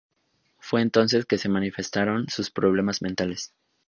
Fue entonces, que se manifestaron sus problemas mentales.